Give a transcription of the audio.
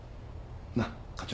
なっ課長。